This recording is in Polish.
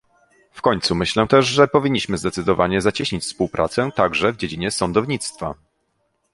W końcu myślę też, że powinniśmy zdecydowanie zacieśnić współpracę także w dziedzinie sądownictwa